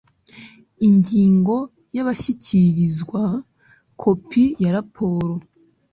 ingingo ya abashyikirizwa kopi ya raporo